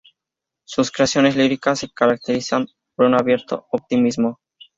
Sus creaciones líricas se caracterizan por un abierto optimismo.